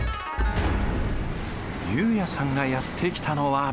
悠也さんがやって来たのは。